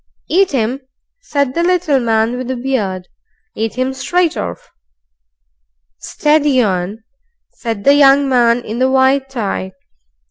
"Eat 'im!" said the little man with the beard; "eat 'im straight orf." "Steady on!" said the young man in the white tie.